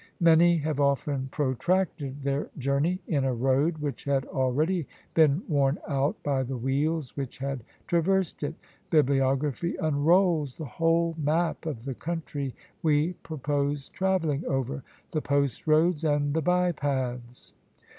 Many have often protracted their journey in a road which had already been worn out by the wheels which had traversed it: bibliography unrolls the whole map of the country we purpose travelling over the post roads and the by paths.